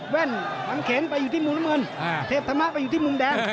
แว่นบังเขนไปอยู่ที่มุมน้ำเงินเทพธรรมะไปอยู่ที่มุมแดง